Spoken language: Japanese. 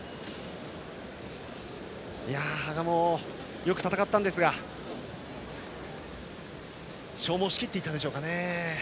羽賀もよく戦ったんですが消耗しきっていたでしょうか。